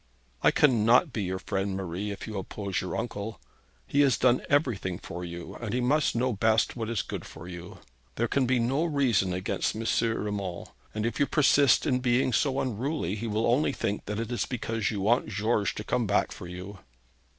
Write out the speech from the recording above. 'I cannot be your friend, Marie, if you oppose your uncle. He has done everything for you, and he must know best what is good for you. There can be no reason against M. Urmand, and if you persist in being so unruly, he will only think that it is because you want George to come back for you.'